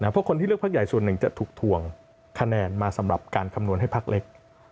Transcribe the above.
เพราะคนที่เลือกพักใหญ่ส่วนหนึ่งจะถูกถวงคะแนนมาสำหรับการคำนวณให้พักเล็ก